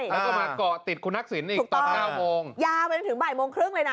แล้วก็มาเกาะติดคุณทักษิณอีกตอนเก้าโมงยาวไปจนถึงบ่ายโมงครึ่งเลยนะ